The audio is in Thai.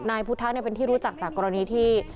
นายพุทธะเป็นที่รู้จักจากกรณีที่